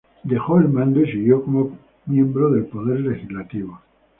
Dejando el mando siguió como miembro del poder legislativo..."